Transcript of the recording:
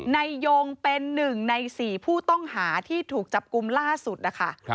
นายยงเป็น๑ใน๔ผู้ต้องหาที่ถูกจับกลุ่มล่าสุดนะคะ